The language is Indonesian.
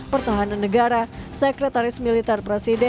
pertahanan negara sekretaris militer presiden